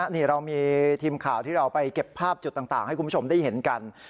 นี่เรามีทีมข่าวที่เราไปเก็บภาพจุดต่างให้คุณผู้ชมได้เห็นกัน